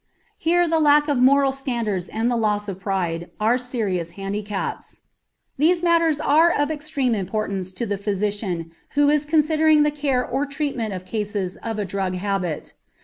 Here the lack of moral standards and the loss of pride are serious handicaps. These matters are of extreme importance to the physician who is considering the care or treatment of cases of a drug habit.